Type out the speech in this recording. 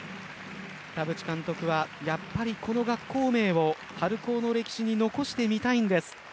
田渕監督はやっぱり、この学校名を春高の歴史に残してみたいんです。